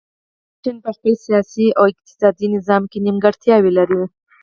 چین په خپل سیاسي او اقتصادي نظام کې نیمګړتیاوې لري.